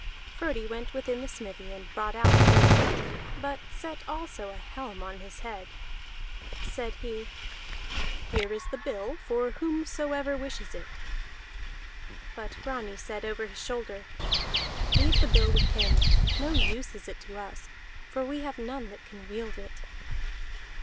Frodi went within the smithy and brought out the bill, but set also a helm on his head. Said he: "Here is the bill for whomsoever wishes it." But Grani said over his shoulder, "Leave the bill with him. No use is it to us, for we have none that can wield it."